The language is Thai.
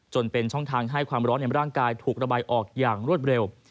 จนเป็นช่องทางให้ความร้อนในร่างกายถูกระบายออกอย่างรวดเร็ว